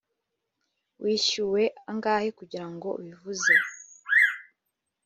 Wishyuwe angahe kugirango ubivuze